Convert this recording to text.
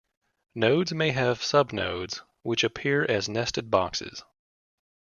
Nodes may have subnodes, which appear as nested boxes.